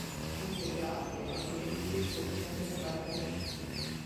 Pouze drápky a průduchy jsou černě zbarvené.